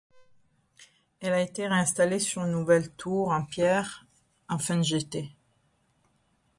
Elle a été réinstallée sur une nouvelle tour en pierre en fin de jetée.